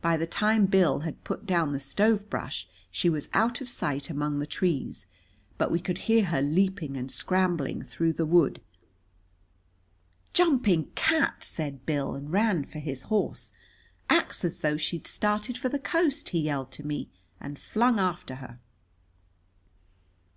By the time Bill had put down the stove brush she was out of sight among the trees, but we could hear her leaping and scrambling through the wood. "Jumping cats!" said Bill, and ran for his horse. "Acts as though she'd started for the Coast!" he yelled to me, and flung after her.